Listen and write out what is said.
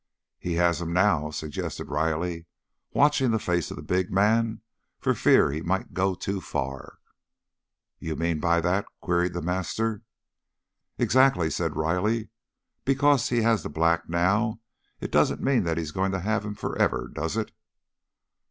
"He has him now," suggested Riley, watching the face of the big man for fear that he might go too far. "You mean by that?" queried the master. "Exactly," said Riley. "Because he has the black now, it doesn't mean that he's going to have him forever, does it?"